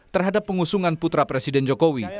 terhadap pengusungan putra presiden jokowi